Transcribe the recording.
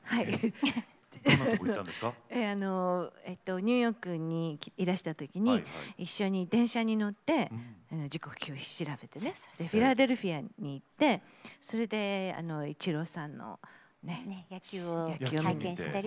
ニューヨークにいらしたときに一緒に電車に乗って時刻表で調べてフィラデルフィアに行ってそれでイチローさんの野球を拝見したり。